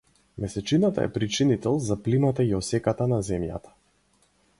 Месечината е причинител за плимата и осеката на Земјата.